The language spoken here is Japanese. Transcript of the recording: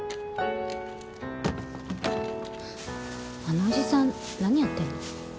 あのおじさん何やってんの？